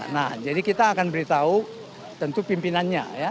nah jadi kita akan beritahu tentu pimpinannya ya